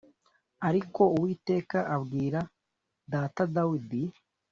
ariko Uwiteka abwira data Dawidi